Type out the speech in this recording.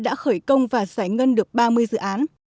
đã khởi công và giải ngân được ba mươi dự án